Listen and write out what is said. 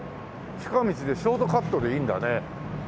近道でショートカットでいいんだね。